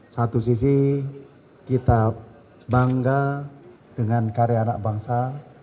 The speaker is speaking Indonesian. satu sisi kita bangga dengan karya anak bangsa